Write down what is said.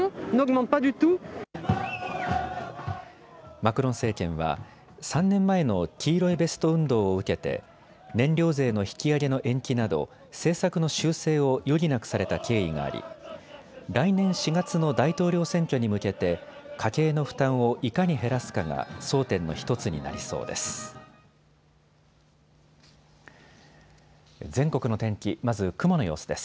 マクロン政権は３年前の黄色いベスト運動を受けて燃料税の引き上げの延期など政策の修正を余儀なくされた経緯があり来年４月の大統領選挙に向けて家計の負担をいかに減らすかが争点の１つになりそうです。